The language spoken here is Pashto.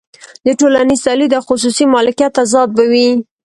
د ټولنیز تولید او خصوصي مالکیت تضاد به وي